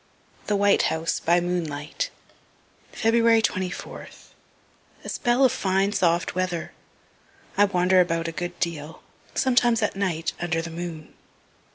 THE WHITE HOUSE BY MOONLIGHT February 24th. A spell of fine soft weather. I wander about a good deal, sometimes at night under the moon.